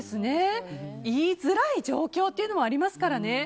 言いづらい状況というのもありますからね。